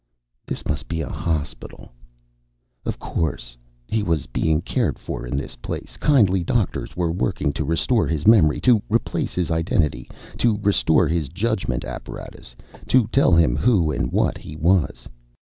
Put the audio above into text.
This must be a hospital. Of course. He was being cared for in this place. Kindly doctors were working to restore his memory, to replace his identity, to restore his judgment apparatus, to tell him who and what he was.